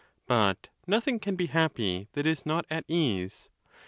But nothing can be happy that is not at ease.